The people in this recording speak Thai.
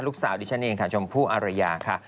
ลูกสาวดิฉันเองค่ะชมผู้อรยาค่ะ